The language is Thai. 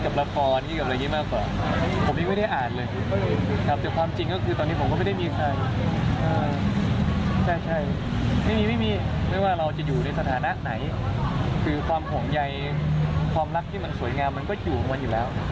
คือความห่วงใยความรักที่มันสวยงามมันก็อยู่ข้างบนอยู่แล้ว